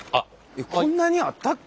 えっこんなにあったっけ？